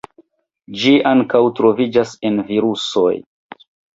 Ĝi ankaŭ troviĝas en virusoj.